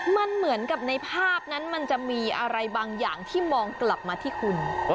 มันเหมือนกับในภาพนั้นมันจะมีอะไรบางอย่างที่มองกลับมาที่คุณ